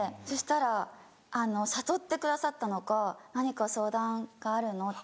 そしたら悟ってくださったのか「何か相談があるの？」